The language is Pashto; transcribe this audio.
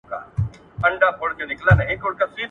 عمر مي خوړلی دی .